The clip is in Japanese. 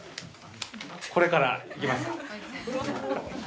これからいきますか。